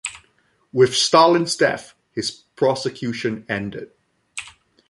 With Stalin's death his prosecution ended.